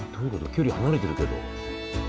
距離離れてるけど。